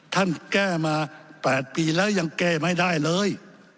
ท่านแก้มา๘ปีแล้วยังแก้ไม่ได้เลย